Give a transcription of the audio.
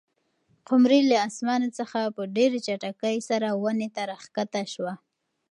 قمرۍ له اسمانه څخه په ډېرې چټکۍ سره ونې ته راښکته شوه.